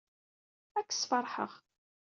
Ad k-sfeṛḥeɣ.